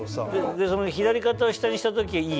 その左肩を下にした時いい？